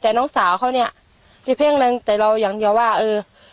แต่น้องสาวเขาเนี้ยได้เพลิงเรื่องแต่เราอย่างเดียวว่าเออ